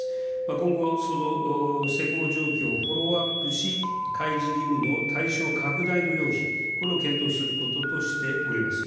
今後、その施行状況をフォローアップし、開示義務の対象拡大の要否、これを検討することとしております。